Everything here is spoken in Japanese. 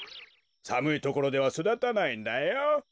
さむいところではそだたないんだよ。